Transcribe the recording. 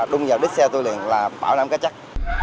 đúng vào đứt xe tôi liền là bảo lãm cái chắc